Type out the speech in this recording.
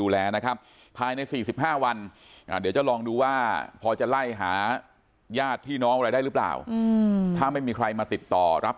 หาญาติที่น้องอะไรได้หรือเปล่าถ้าไม่มีใครมาติดต่อรับ